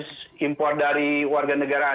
kasus impor dari warga negara asal